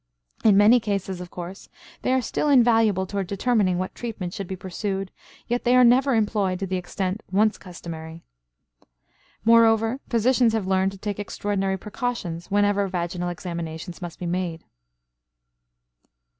In many cases, of course, they are still invaluable toward determining what treatment should be pursued, yet they are never employed to the extent once customary. Moreover, physicians have learned to take extraordinary precautions whenever vaginal examinations must be made.